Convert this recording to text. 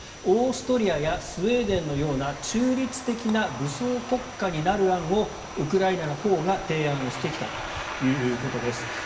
オーストリアやスウェーデンのような中立的な非武装国家になる案をウクライナのほうが提案してきたということです。